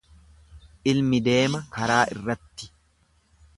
Ilmi deema karaa irratti.